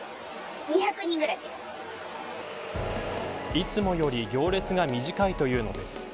いつもより行列が短いというのです。